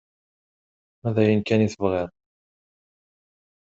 Ma d ayen kan i tebɣiḍ...